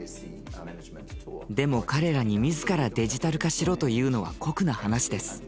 でも彼らに自らデジタル化しろというのは酷な話です。